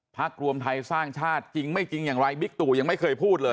รวมไทยสร้างชาติจริงไม่จริงอย่างไรบิ๊กตู่ยังไม่เคยพูดเลย